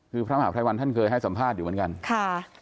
คือพระมหาภัยวันท่านเคยให้สัมภาษณ์อยู่เหมือนกันค่ะ